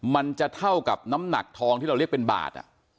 มันจะเท่ากับน้ำหนักทองที่เราเรียกเป็นบาท